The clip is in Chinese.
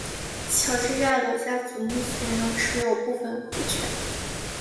乔治亚罗家族目前仍持有部份股权。